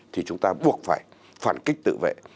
thì chúng ta buộc phải phản kích tự vệ